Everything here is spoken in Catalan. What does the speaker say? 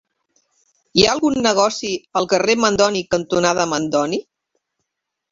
Hi ha algun negoci al carrer Mandoni cantonada Mandoni?